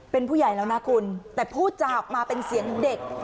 เป็นผู้ใหญ่แล้วนะคุณแต่พูดจาออกมาเป็นเสียงเด็ก